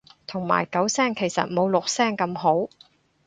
同埋九聲其實冇六聲咁好